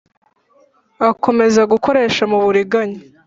Akomeza gukoresha mu buriganya.